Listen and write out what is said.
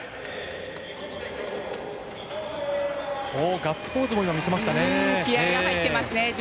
ガッツポーズも見せました、井上。